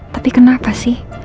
tapi kenapa sih